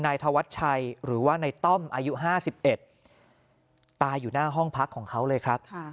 ธวัชชัยหรือว่านายต้อมอายุ๕๑ตายอยู่หน้าห้องพักของเขาเลยครับ